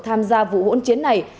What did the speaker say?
tham gia vụ hỗn chiến này